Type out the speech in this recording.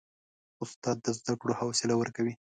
استاد د زده کړو حوصله ورکوي.